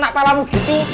hai river alumensi itu deh